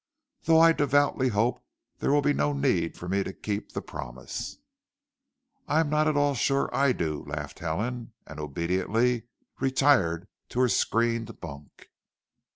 "Though I devoutly hope there will be no need for me to keep the promise." "I'm not at all sure I do," laughed Helen, and obediently retired to her screened bunk.